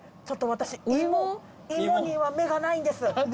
ちょっと私芋芋には目がないんです。